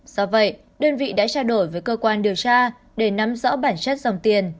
do vậy đơn vị đã trao đổi với cơ quan điều tra để nắm rõ bản chất dòng tiền